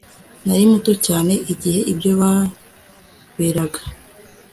nari muto cyane igihe ibyo byaberaga